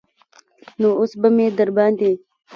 نو اوس به مې درباندې.